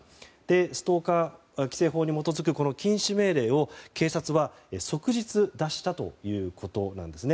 ストーカー規制法に基づく禁止命令を警察は即日出したということなんです。